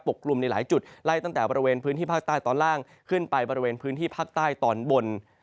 กลุ่มในหลายจุดไล่ตั้งแต่บริเวณพื้นที่ภาคใต้ตอนล่างขึ้นไปบริเวณพื้นที่ภาคใต้ตอนบน